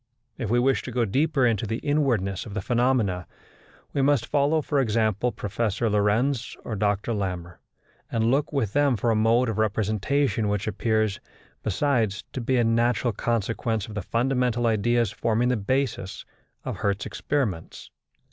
If we wish to go deeper into the inwardness of the phenomena, we must follow, for example, Professor Lorentz or Dr Larmor, and look with them for a mode of representation which appears, besides, to be a natural consequence of the fundamental ideas forming the basis of Hertz's experiments.